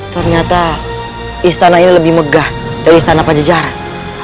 ternyata istana ini lebih megah dari istana pajajaran